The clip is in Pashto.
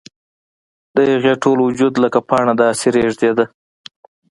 د هغې ټول وجود لکه پاڼه داسې رېږدېده